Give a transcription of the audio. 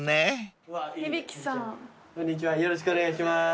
よろしくお願いします